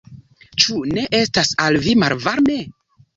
Ĉu ne estas al vi malvarme?